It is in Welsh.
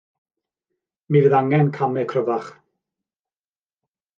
Mi fydd angen camau cryfach.